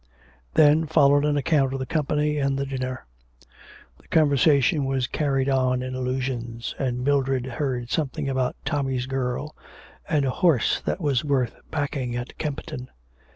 Then followed an account of the company and the dinner. The conversation was carried on in allusions, and Mildred heard something about Tommy's girl and a horse that was worth backing at Kempton.